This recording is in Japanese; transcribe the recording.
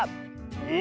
え⁉